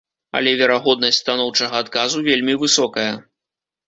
Але верагоднасць станоўчага адказу вельмі высокая.